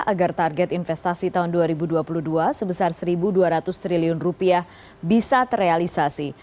agar target investasi tahun dua ribu dua puluh dua sebesar rp satu dua ratus triliun rupiah bisa terrealisasi